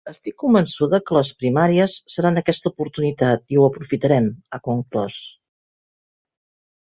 Estic convençuda que les primàries seran aquesta oportunitat i ho aprofitarem, ha conclòs.